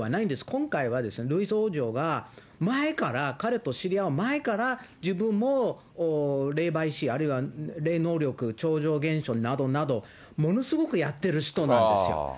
今回は、ルイーセ王女が前から彼と知り合う前から、自分も、霊媒師、あるいは霊能力、超常現象などなど、ものすごくやってる人なんですよ。